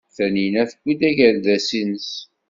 Taninna tewwi-d agerdas-nnes.